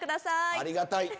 ありがたい！